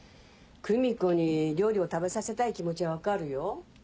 空見子に料理を食べさせたい気持ちは分かるよ。